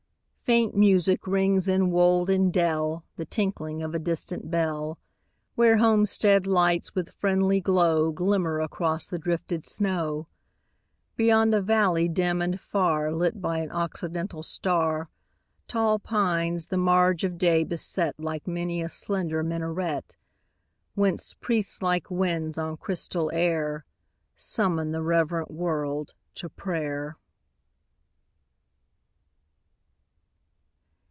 80 ni Faint music rings in wold and dell, The tinkling of a distant bell, Where homestead lights with friendly glow Glimmer across the drifted snow ; Beyond a valley dim and far Lit by an occidental star, Tall pines the marge of day beset Like many a slender minaret, Whence priest like winds on crystal air Summon the reverent world to prayer.